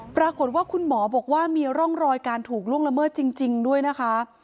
ปรากฏว่าคุณหมอบอกว่ามีร่องรอยการถูกล่วงละเมิดจริงด้วยนะคะ